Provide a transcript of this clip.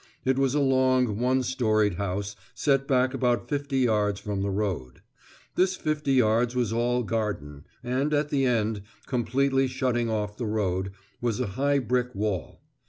It was a long, one storied house, set back about fifty yards from the road; this fifty yards was all garden, and, at the end, completely shutting off the road, was a high brick wall.